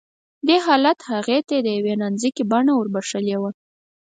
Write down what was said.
دې حالت هغې ته د يوې نانځکې بڼه وربښلې وه